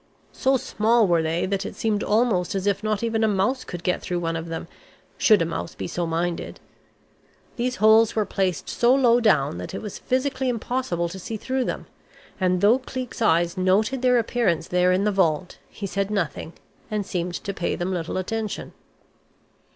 So small were they that it seemed almost as if not even a mouse could get through one of them, should a mouse be so minded. These holes were placed so low down that it was physically impossible to see through them, and though Cleek's eyes noted their appearance there in the vault, he said nothing and seemed to pay them little attention.